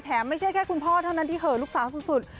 ไม่ใช่แค่คุณพ่อเท่านั้นที่เหอะลูกสาวสุด